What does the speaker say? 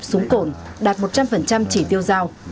súng cổn đạt một trăm linh chỉ tiêu giao